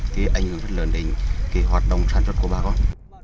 thì ảnh hưởng rất lớn đến cái hoạt động sản xuất của bà con